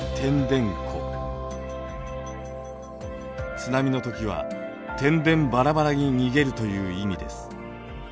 「津波の時はてんでんばらばらに逃げる」という意味です。